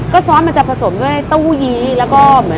ซ้อนส่องจะผสมด้วยต้วยี้ซอสพริกซอสมะเขือ